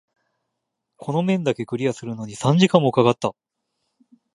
この面だけクリアするのに三時間も掛かった。